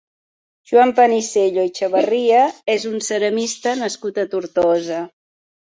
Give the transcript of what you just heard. Joan Panisello i Chavarria és un ceramista nascut a Tortosa.